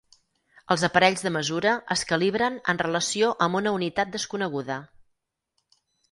Els aparells de mesura es calibren en relació amb una unitat desconeguda.